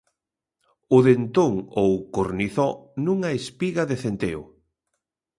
O dentón ou cornizó nunha espiga de centeo.